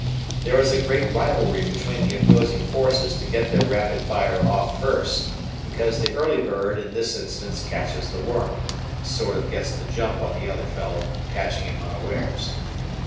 There is a great rivalry between the opposing forces to get their rapid fire off first, because the early bird, in this instance, catches the worm, sort of gets the jump on the other fellow, catching him unawares.